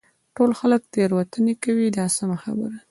ټول خلک تېروتنې کوي دا سمه خبره ده.